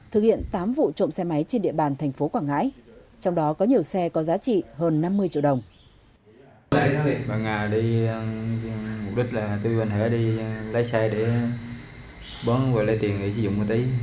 thực hiện tám vụ trộm xe máy trên địa bàn thành phố quảng ngãi trong đó có nhiều xe có giá trị hơn năm mươi triệu đồng